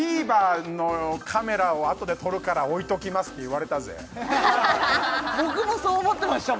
ＴＶｅｒのカメラをあとで撮るから置いときますって言われたぜ僕もそう思ってました